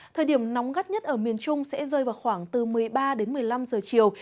thời điểm nóng gắt nhất ở miền trung sẽ rơi vào khoảng từ một mươi ba đến một mươi năm giờ chiều